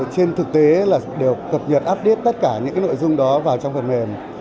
trên thực tế là đều cập nhật update tất cả những nội dung đó vào trong phần mềm